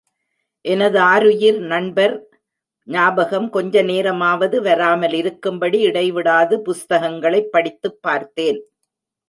எனதாருயிர் நண்பர் ஞாபகம் கொஞ்ச நேரமாவது வராமலிருக்கும்படி, இடைவிடாது புஸ்தகங்களைப் படித்துப் பார்த்தேன்.